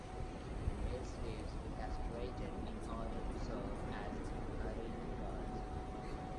Male slaves were castrated in order to serve as harem guards.